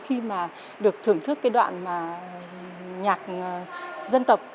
khi mà được thưởng thức cái đoạn nhạc dân tộc